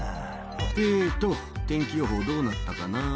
「えっと天気予報どうなったかな？」